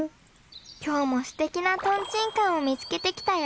今日もすてきなトンチンカンを見つけてきたよ。